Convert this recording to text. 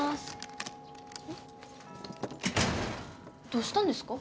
どうしたんですか？